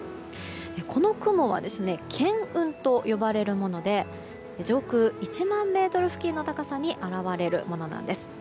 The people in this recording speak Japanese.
この雲は巻雲と呼ばれるもので上空１万ｍ付近の高さに現れるものなんです。